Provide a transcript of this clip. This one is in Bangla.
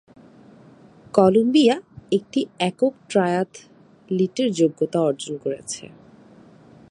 কলম্বিয়া একটি একক ট্রায়াথলিটের যোগ্যতা অর্জন করেছে।